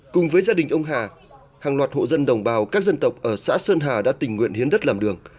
cùng với gia đình ông hà hàng loạt hộ dân đồng bào các dân tộc ở xã sơn hà đã tình nguyện hiến đất làm đường